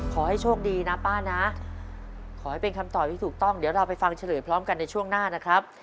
ขอให้โชคดีนะป้านะขอให้เป็นคำตอบที่ถูกต้องเดี๋ยวเราไปฟังเฉลยพร้อมกันในช่วงหน้านะครับ